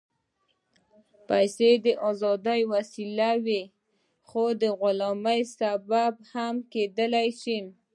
پېسې د ازادۍ وسیله وي، خو د غلامۍ سبب هم کېدای شي.